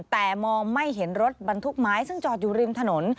แต่มองไม่เห็นรถบรรทุกไม้ซึ่งจอดอยู่ริมถนน